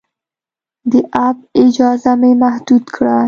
د اپ اجازه مې محدود کړه.